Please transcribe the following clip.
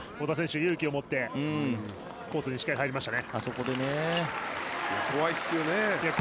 勇気を持ってコースにしっかり入りましたね。